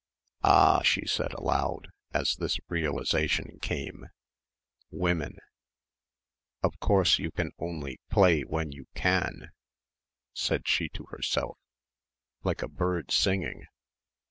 "Ah!" she said aloud, as this realisation came, "Women." "Of course you can only 'play when you can,'" said she to herself, "like a bird singing."